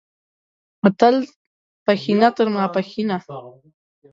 متل، پښینه تر ماپښینه